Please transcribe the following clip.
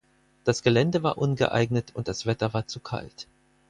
Das Gelände war ungeeignet und das Wetter war zu kalt.